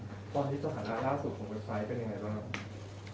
ตอนนี้สถานะล่าสุดของเว็บไซต์เป็นยังไงบ้างครับ